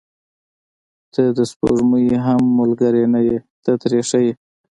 • ته د سپوږمۍ هم ملګرې نه یې، ته ترې ښه یې.